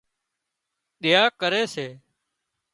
ۮيا ڪري سي